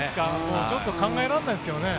ちょっと考えられないですけどね。